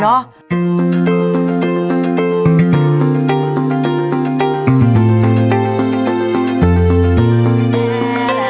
มีการหยุดตอนการให้วิ่ง